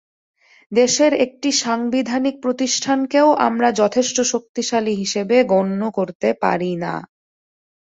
দেশের একটি সাংবিধানিক প্রতিষ্ঠানকেও আমরা যথেষ্ট শক্তিশালী হিসেবে গণ্য করতে পারি না।